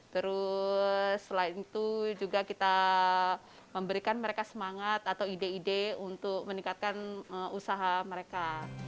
terus selain itu juga kita memberikan mereka semangat atau ide ide untuk meningkatkan usaha mereka